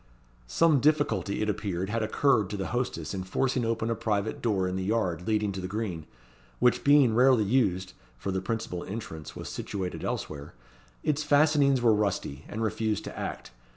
Some difficulty, it appeared, had occurred to the hostess in forcing open a private door in the yard leading to the green, which being rarely used (for the principal entrance was situated elsewhere), its fastenings were rusty, and refused to act.